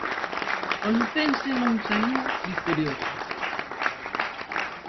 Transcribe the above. O lucense non saíu vitorioso.